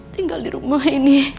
tinggal di rumah ini